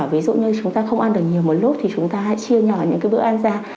ví dụ như chúng ta không ăn được nhiều một lúc thì chúng ta hay chia nhỏ những cái bữa ăn ra